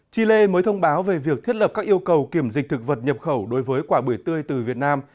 chile mới thông báo về việc thiết lập các yêu cầu kiểm dịch thực vật nhập khẩu đối với quả bưởi tươi từ việt nam